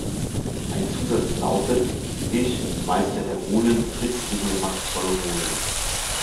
Ein Zusatz lautet: „Ich, Meister der Runen ritzte hier machtvolle Runen.